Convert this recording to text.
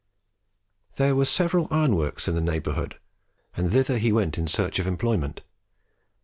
There were several ironworks in the neighbour hood, and thither he went in search of employment.